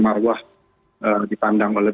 marwah dipandang oleh